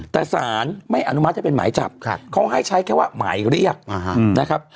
แต่สารไม่อนุมัติให้เป็นหมายจับเขาให้ใช้แค่ว่าหมายเรียกนะครับ